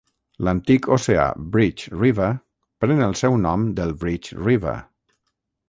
L'antic oceà Bridge River, pren el seu nom del Bridge River.